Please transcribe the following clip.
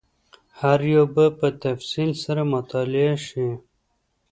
هر یو به په تفصیل سره مطالعه شي.